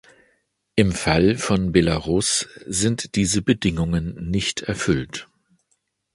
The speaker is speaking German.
Im Fall von Belarus sind diese Bedingungen nicht erfüllt.